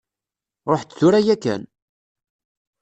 Ṛuḥ-d tura yakkan!